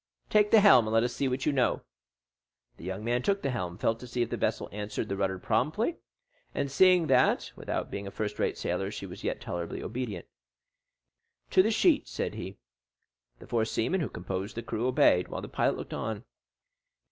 "Take the helm, and let us see what you know." The young man took the helm, felt to see if the vessel answered the rudder promptly and seeing that, without being a first rate sailor, she yet was tolerably obedient. "To the sheets," said he. The four seamen, who composed the crew, obeyed, while the pilot looked on.